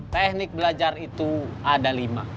teknik belajar itu ada lima